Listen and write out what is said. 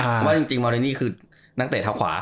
เพราะว่าจริงมาเรนี่คือนักเตะเท้าขวา